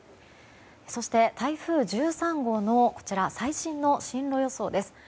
そして、台風１３号の最新の進路予想です。